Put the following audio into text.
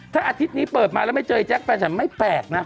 ถ้าอาทิตย์นี้เปิดมาแล้วไม่เจอแจ๊คแฟนฉันไม่แปลกนะ